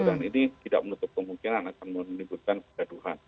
dan ini tidak menutup kemungkinan akan menimbulkan kegaduhan